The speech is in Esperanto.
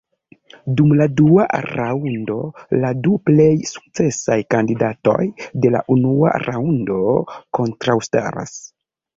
Dum la dua raŭndo la du plej sukcesaj kandidatoj de la unua raŭndo kontraŭstaras.